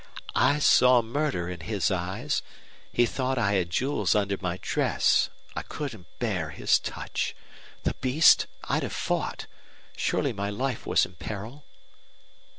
"I saw murder in his eyes. He thought I had jewels under my dress. I couldn't bear his touch. The beast! I'd have fought. Surely my life was in peril."